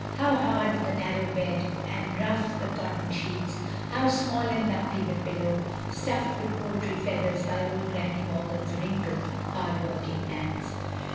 How hard the narrow bed, and rough the cotton sheets ; how small and lumpy the pillow, sttiff ed with poultry feathers by old Granny Morgan's wrinkled hard working hands.